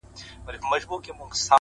• د مسجدي او د اکبر مېنه ده,